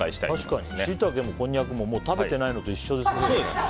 確かにシイタケもこんにゃくも食べていないのと一緒ですよね。